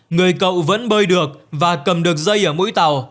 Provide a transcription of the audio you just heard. người cậu vẫn bơi được và cầm được dây ở mũi tàu